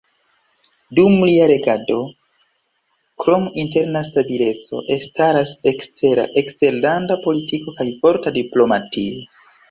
Dum lia regado, krom interna stabileco, elstaras ekstera eksterlanda politiko kaj forta diplomatio.